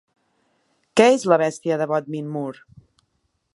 Què és La Bèstia de Bodmin Moor?